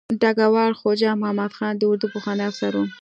ډګروال خواجه محمد خان د اردو پخوانی افسر و.